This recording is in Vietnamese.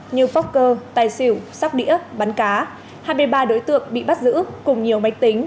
như phóc cơ tài xỉu sóc đĩa bắn cá hai mươi ba đối tượng bị bắt giữ cùng nhiều máy tính